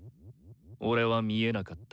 俺は見えなかった。